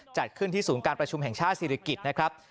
จัดขึ้นที่ศูนย์การประชุมแห่งชาติศิริกิจนะครับ